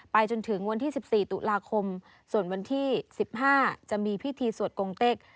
จนถึงวันที่๑๔ตุลาคมส่วนวันที่๑๕จะมีพิธีสวดกงเต็ก